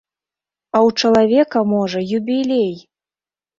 А ў чалавека, можа, юбілей!